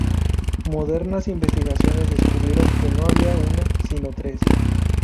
Modernas investigaciones descubrieron que no había una, sino tres.